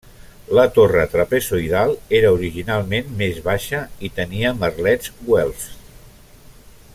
La torre trapezoidal era originalment més baixa i tenia merlets güelfs.